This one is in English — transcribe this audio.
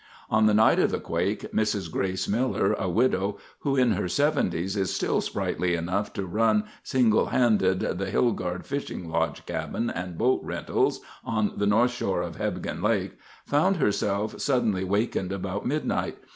On the night of the quake Mrs. Grace Miller, a widow who, in her seventies, is still sprightly enough to run, single handed, the Hillgard Fishing Lodge cabin and boat rentals on the north shore of Hebgen Lake, found herself suddenly wakened about midnight.